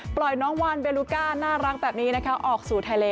ปล่อยน้องวานเบลูก้าน่ารักแบบนี้นะคะออกสู่ทะเล